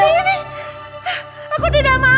aku tidak mau aku tidak mau